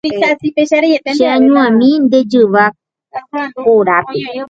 Cheañuãmi nde jyva korápe.